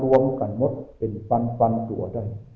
รวมกันหมดเป็นปันตัวเถอะ